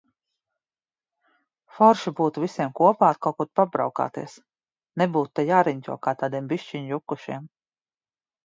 Forši būtu visiem kopā kaut kur pabraukāties, nebūtu te jāriņķo kā tādiem bišķiņ jukušiem.